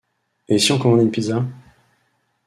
Et si on commandait une pizza ?